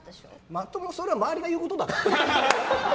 まともそれは周りが言うことだけどね。